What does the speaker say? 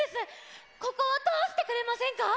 ここをとおしてくれませんか？